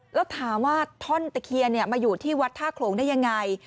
แล้วถามว่าท่อนตะเคียนมาอยู่ที่วัดท่าโขลงได้ยังไง